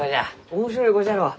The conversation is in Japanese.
面白い子じゃろう？